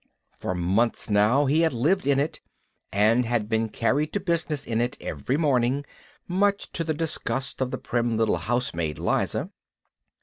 For months now he had lived in it, and had been carried to business in it every morning, much to the disgust of the prim little housemaid Liza.